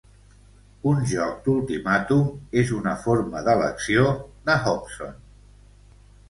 Un joc d' ultimàtum és una forma d'elecció de Hobson.